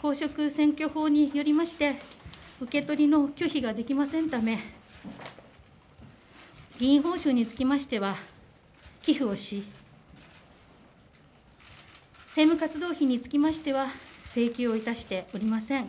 公職選挙法によりまして受け取りの拒否ができませんため、議員報酬につきましては寄付をし、政務活動費につきましては請求しておりません。